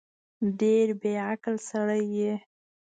ډېر بیعقل سړی یې